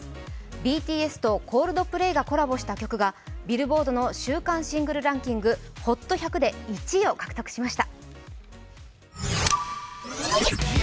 ＢＴＳとＣｏｌｄｐｌａｙがコラボした曲がビルボードの週間シングルランキングＨＯＴ１００で１位を獲得しました。